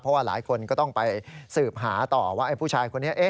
เพราะว่าหลายคนก็ต้องไปสืบหาต่อว่าไอ้ผู้ชายคนนี้